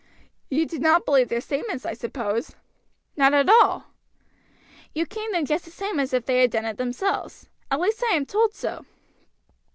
"You did not believe their statements, I suppose?" "Not at all." "You caned them just the same as if they had done it themselves. At least I am told so."